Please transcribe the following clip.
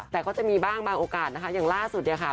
แต่ก็จะมีบ้างบางโอกาสนะคะอย่างล่าสุดเนี่ยค่ะ